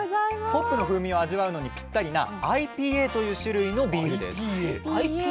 ホップの風味を味わうのにぴったりなＩＰＡという種類のビールです。